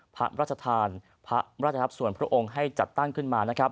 พระราชทานพระราชทัพส่วนพระองค์ให้จัดตั้งขึ้นมานะครับ